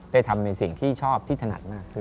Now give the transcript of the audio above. ได้ทำในสิ่งที่ชอบที่ถนัดมากขึ้น